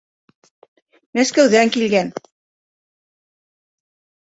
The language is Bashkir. Мәскәүҙән килгән...